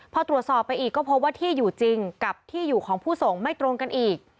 พอตรวจสอบไปอีกก็พบว่าที่อยู่จริงกับที่อยู่ของผู้ส่งไม่ตรงกันอีก